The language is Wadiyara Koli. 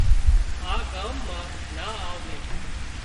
آ ڳام مان نا آوزي